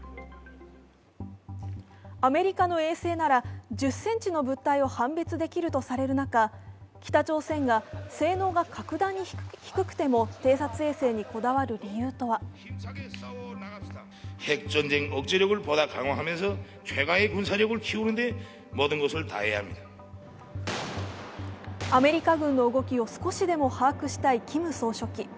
アメリカの衛星なら１０ｃｍの物体を判別できるとされる中、北朝鮮が、性能が格段に低くても偵察衛星にこだわる理由とはアメリカ軍の動きを少しでも把握したいキム総書記。